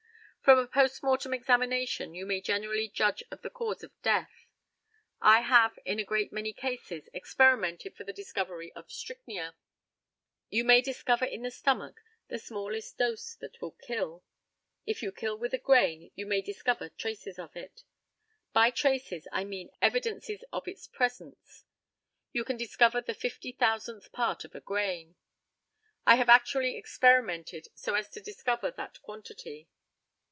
From a post mortem examination you may generally judge of the cause of death. I have in a great many cases experimented for the discovery of strychnia. You may discover in the stomach the smallest dose that will kill. If you kill with a grain you may discover traces of it. By traces I mean evidences of its presence. You can discover the fifty thousandth part of a grain. I have actually experimented so as to discover that quantity.